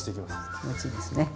気持ちいいですね。